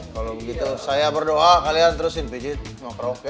kalau begitu saya berdoa kalian terusin pijit ngoprok ya